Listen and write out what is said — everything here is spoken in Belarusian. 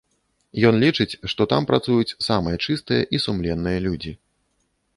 Ён лічыць, што там працуюць самыя чыстыя і сумленныя людзі.